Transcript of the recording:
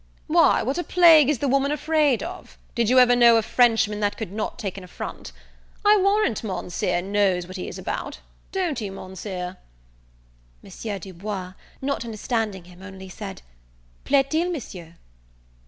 "Why, what a plague is the woman afraid of? Did you ever know a Frenchman that could not take an affront? I warrant Monseer knows what he is about; don't you Monseer?" M. Du Bois, not understanding him, only said, "plait il, Monsieur?"